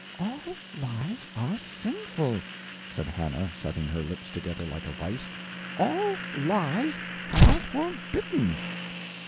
"_All _lies are sinful," said Hannah, setting her lips together like a vise; "all lies are forbidden."